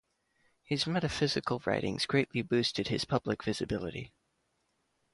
His metaphysical writings greatly boosted his public visibility.